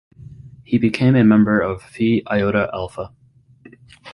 He became a member of Phi Iota Alpha.